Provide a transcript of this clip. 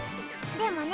でもね